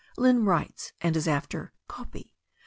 "Lynne writes, and is after 'copy.'